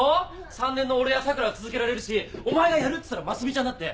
３年の俺や桜は続けられるしお前がやるっつったら真澄ちゃんだって。